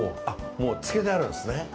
もう漬けてあるんですね。